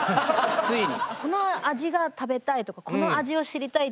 ついに。